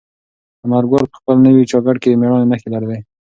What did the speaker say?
انارګل په خپل نوي جاکټ کې د مېړانې نښې لرلې.